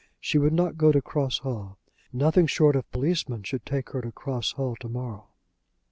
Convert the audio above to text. She would not go to Cross Hall. Nothing short of policemen should take her to Cross Hall to morrow.